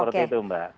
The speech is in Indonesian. menurut itu mbak